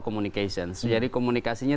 komunikasi jadi komunikasinya